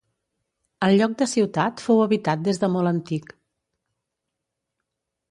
El lloc de Ciutat fou habitat des de molt antic.